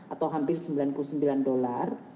atau hampir rp sembilan puluh sembilan juta